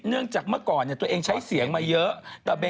เนื่องจากเมื่อก่อนตัวเองใช้เสียงมาเยอะ